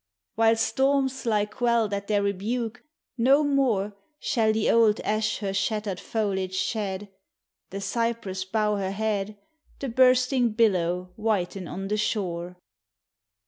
While storms lie quelled at their rebuke, no more Shall the old ash her shattered foliage shed, The cypress bow her head, The bursting billow whiten on the shore.